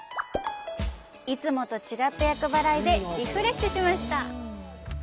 いつもと違った厄払いでリフレッシュしました！